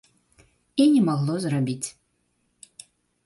І не магло зрабіць.